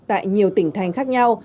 tại nhiều tỉnh thành khác nhau